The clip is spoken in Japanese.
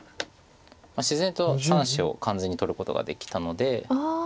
自然と３子を完全に取ることができたので。